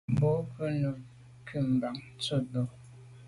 Mbwôg ko’ num kum ba’ ntshùb tu ba’.